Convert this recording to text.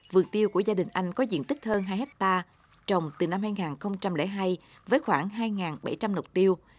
vườn tiêu của gia đình anh có diện tích hơn hai hectare trồng từ năm hai nghìn hai với khoảng hai bảy trăm linh lục tiêu